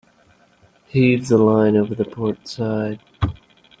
Heave the line over the port side.